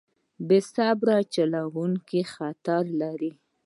بې صبره چلوونکی خطر لري.